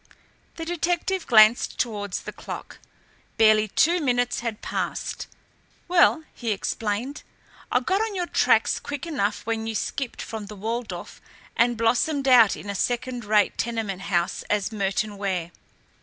The detective glanced towards the clock. Barely two minutes had passed. "Well," he explained, "I got on your tracks quick enough when you skipped from the Waldorf and blossomed out in a second rate tenement house as Merton Ware."